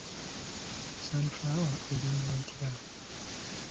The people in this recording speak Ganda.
Sunflower alimwa atya?